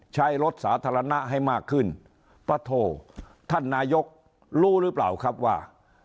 ใช้รถสาธารณะให้มากขึ้นปะโถท่านนายกรู้หรือเปล่าครับว่า